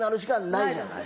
ないじゃない。